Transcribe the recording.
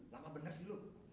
lama bener sih lu